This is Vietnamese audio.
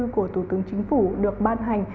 của tủ tướng chính phủ được ban hành